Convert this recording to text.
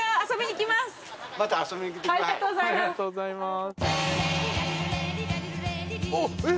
ありがとうございます。